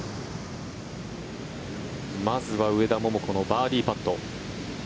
まずは上田桃子のバーディーパット。